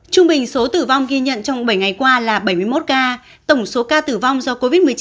trung bình số tử vong ghi nhận trong bảy ngày qua là bảy mươi một ca tổng số ca tử vong do covid một mươi chín